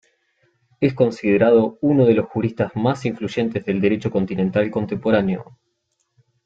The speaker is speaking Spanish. Es considerado uno de los juristas más influyentes del Derecho continental contemporáneo.